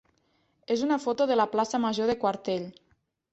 és una foto de la plaça major de Quartell.